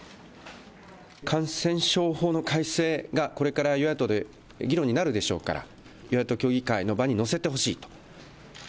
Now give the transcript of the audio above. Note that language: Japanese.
感染症法の改正が、これから与野党で議論になるでしょうから、与野党協議会の場にのせてほしいと。